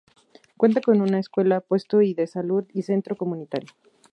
Cuenta con una escuela, puesto y de salud y centro comunitario.